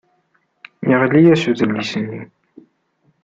Yeɣli-as udlis-nni.